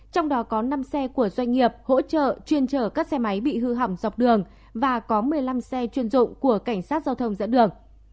trong đó có năm xe của doanh nghiệp hỗ trợ chuyên chở các xe máy bị hư hỏng dọc đường và có một mươi năm xe chuyên dụng của cảnh sát giao thông dẫn đường